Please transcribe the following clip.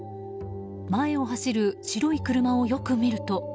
前を走る白い車をよく見ると。